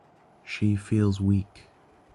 She feels weak.